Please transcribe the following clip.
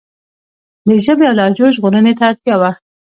د ژبې او لهجو ژغورنې ته اړتیا وه.